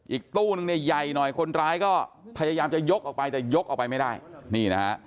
อีกตู้หนึ่งใหญ่หน่อยคนร้ายก็พยายามจะยกออกไปแต่ยกออกไปไม่ได้